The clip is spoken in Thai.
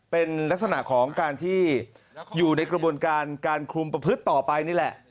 เป็นลักษณะของการที่อยู่ในกระบวนการการคลุมประพฤติต่อไปนี่แหละ